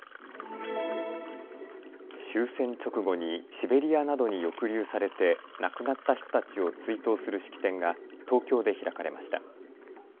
終戦直後にシベリアなどに抑留されて亡くなった人たちを追悼する式典が東京で開かれました。